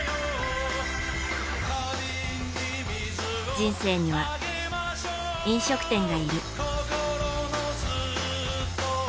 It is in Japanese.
人生には、飲食店がいる。